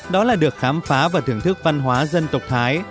đó là được khám phá và thưởng thức văn hóa dân tộc thái